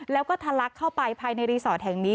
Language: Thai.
แล้วก็ทะลักเข้าไปภายในรีสอร์ทแห่งนี้